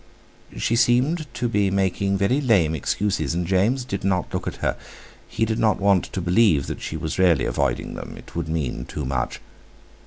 She seemed to be making very lame excuses, and James did not look at her. He did not want to believe that she was really avoiding them—it would mean too much.